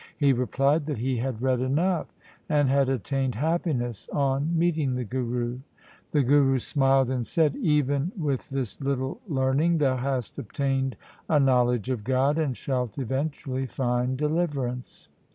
He replied that he had read enough, and had attained happiness on meeting the Guru. The Guru smiled and said, 1 Even with this little learning thou hast obtained a knowledge of God, and shalt eventually find deliverance.'